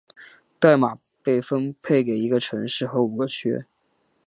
代码被分配给一个城市和五个区。